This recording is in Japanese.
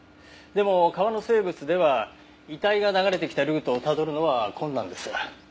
でも川の生物では遺体が流れてきたルートをたどるのは困難です。